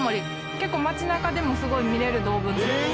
結構街中でもすごい見れる動物です。